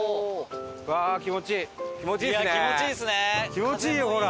気持ちいいよほら！